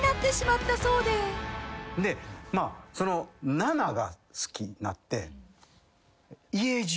その７が好きになって。